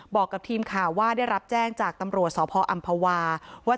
บอกกับทีมข่าวว่าได้รับแจ้งจากตำรวจสพอำภาวาว่า